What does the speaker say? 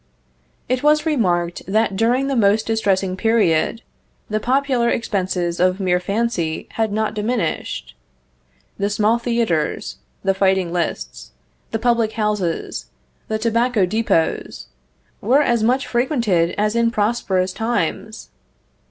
It was remarked, that during the most distressing period, the popular expenses of mere fancy had not diminished. The small theaters, the fighting lists, the public houses, and tobacco depôts, were as much frequented as in prosperous times.